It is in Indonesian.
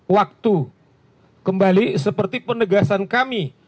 waktu kembali seperti penegasan kami